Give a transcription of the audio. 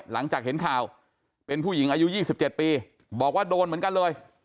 หลังจากเห็นข่าวเป็นผู้หญิงอายุ๒๗ปีบอกว่าโดนเหมือนกันเลย